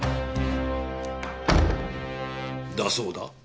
だそうだ。